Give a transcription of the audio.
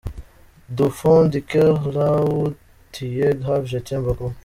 Du fond du cœur la où tu es gravé Je t’aime beaucoup.